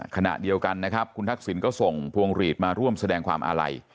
ขณะเดียวกันนะครับคุณทักษิณก็ส่งพวงหลีดมาร่วมแสดงความอาลัย